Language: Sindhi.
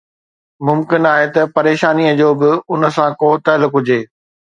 ممڪن آهي ته پريشانيءَ جو به ان سان ڪو تعلق هجي